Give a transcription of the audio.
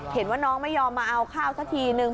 เห็นว่าน้องไม่ยอมมาเอาข้าวสักทีนึง